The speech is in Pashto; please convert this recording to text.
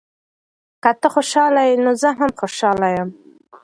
که ته خوشحاله یې، نو زه هم خوشحاله یم.